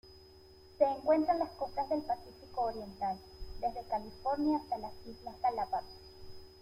Se encuentra en las costas del Pacífico oriental: desde California hasta las Islas Galápagos.